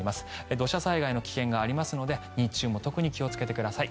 土砂災害の危険がありますので日中も特に気をつけてください。